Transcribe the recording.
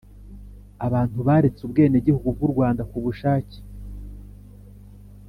Abantu baretse Ubwenegihugu bw u Rwanda ku bushake